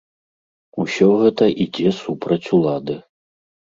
Усё гэта ідзе супраць улады.